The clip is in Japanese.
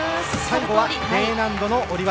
最後はＤ難度の下り技。